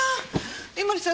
井森さん